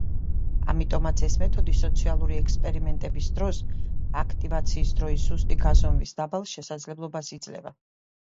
ამიტომაც ეს მეთოდი სოციალური ექსპერიმენტების დროს აქტივაციის დროის ზუსტი გაზომვის დაბალ შესაძლებლობას იძლევა.